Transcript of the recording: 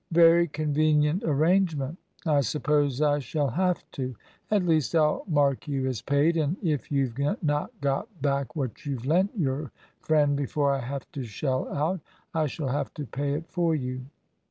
"Very convenient arrangement. I suppose I shall have to. At least I'll mark you as paid; and if you've not got back what you've lent your friend before I have to shell out, I shall have to pay it for you."